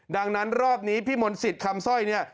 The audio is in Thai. ดังนั้นรอบนี้พี่มนต์สิทธิ์คำสร้อยเนี่ย